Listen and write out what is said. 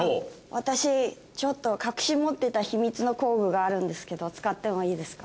私ちょっと隠し持ってた秘密の工具があるんですけど使ってもいいですか？